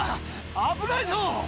危ないぞ。